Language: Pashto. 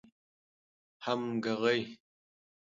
همږغۍ